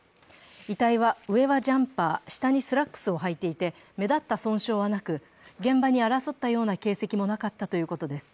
遺体は上はジャンパー、下はスラックスを履いていて、目立った損傷はなく現場に争ったような形跡もなかったということです。